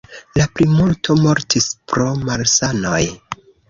La plimulto mortis pro malsanoj.